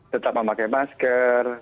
tetap memakai masker